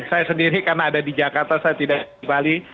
saya sendiri karena ada di jakarta saya tidak di bali